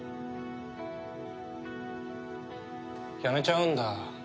辞めちゃうんだ。